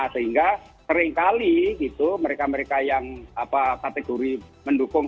sehingga seringkali gitu mereka mereka yang kategori menduduk